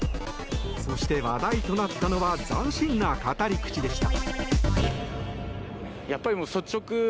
そして、話題となったのは斬新な語り口でした。